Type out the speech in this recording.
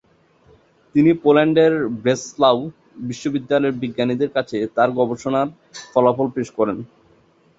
তিনি পোল্যান্ডের ব্রেসলাউ বিশ্ববিদ্যালয়ের বিজ্ঞানীদের কাছে তার গবেষণার ফলাফল পেশ করেন।